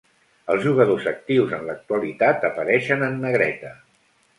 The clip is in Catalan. Els jugadors actius en l'actualitat apareixen en negreta.